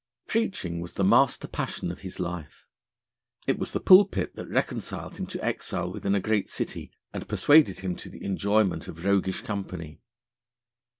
Preaching was the master passion of his life. It was the pulpit that reconciled him to exile within a great city, and persuaded him to the enjoyment of roguish company.